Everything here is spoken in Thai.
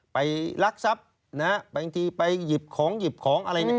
ไปรักษัพไปหยิบของอะไรนี่